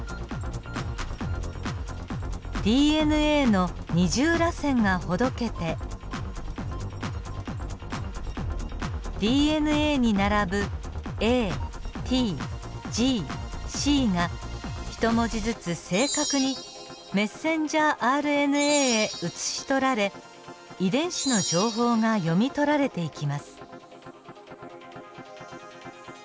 ＤＮＡの二重らせんがほどけてＤＮＡに並ぶＡＴＧＣが１文字ずつ正確にｍＲＮＡへ写し取られ遺伝子の情報が読み取られていきます。